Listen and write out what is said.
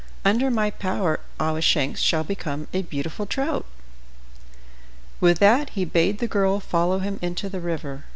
Under my power Awashanks shall become a beautiful trout." With that he bade the girl follow him into the river.